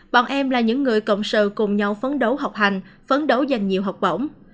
bọn em là những người cộng sự cùng nhau phấn đấu học hành phấn đấu dành nhiều học bổng